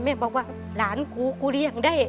แม่บอกว่าหลานกูกูเลี้ยงได้